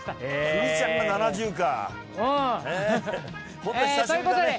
くりちゃんが７０か。